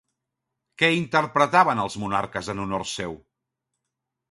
Què interpretaven els monarques en honor seu?